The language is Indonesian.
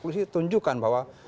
polisi tunjukkan bahwa